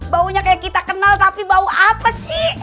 baunya kayak kita kenal tapi bau apa sih